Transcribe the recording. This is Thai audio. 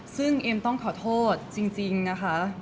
เก่าโทษจริงนะคะ